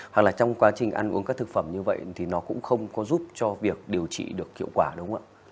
hoặc là trong quá trình ăn uống các thực phẩm như vậy thì nó cũng không có giúp cho việc điều trị được hiệu quả đúng không ạ